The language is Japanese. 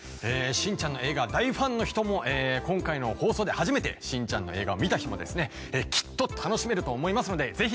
しんちゃんの映画大ファンの人も今回の放送で初めてしんちゃんの映画を見た人もですねきっと楽しめると思いますのでぜひ劇場で。